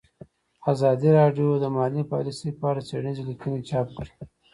ازادي راډیو د مالي پالیسي په اړه څېړنیزې لیکنې چاپ کړي.